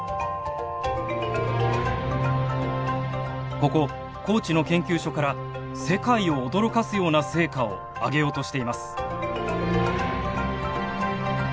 ここ高知の研究所から世界を驚かすような成果をあげようとしています。